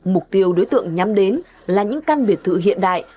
mục tiêu đối tượng nhắm đến là những căn biệt thự hiện đại